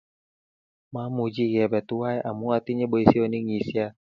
Mamuchi kebe tuwai amu atinye boisionik ng'isian